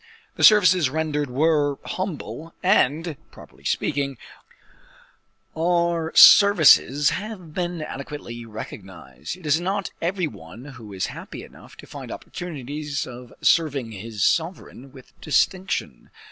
The services rendered were humble, and, properly speaking, our services have been adequately recognized. It is not every one who is happy enough to find opportunities of serving his sovereign with distinction.